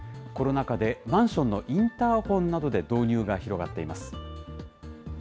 コロナ禍でマンションのインターホンなどで導入が広がっています。